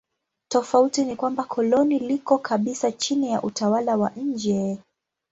Tofauti ni kwamba koloni liko kabisa chini ya utawala wa nje.